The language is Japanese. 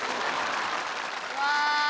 うわ。